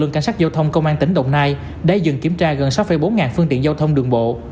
cảnh sát giao thông công an tỉnh đồng nai đã dừng kiểm tra gần sáu bốn phương tiện giao thông đường bộ